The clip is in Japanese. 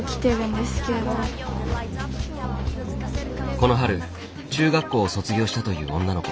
この春中学校を卒業したという女の子。